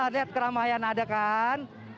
lihat keramaian ada kan